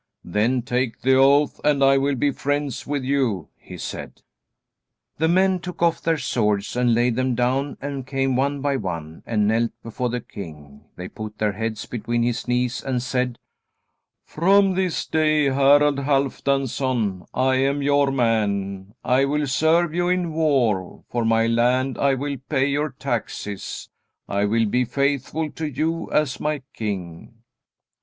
"Then take the oath, and I will be friends with you," he said. The men took off their swords and laid them down and came one by one and knelt before the king. They put their heads between his knees and said: "From this day, Harald Halfdanson, I am your man. I will serve you in war. For my land I will pay you taxes. I will be faithful to you as my king."